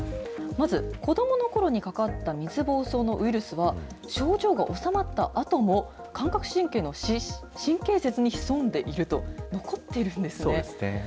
まず、子どものころにかかった水ぼうそうのウイルスは、症状が治まったあとも、感覚神経の神経節に潜んでいると、残っているんですね。